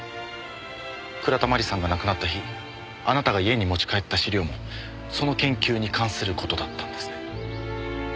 倉田真理さんが亡くなった日あなたが家に持ち帰った資料もその研究に関する事だったんですね。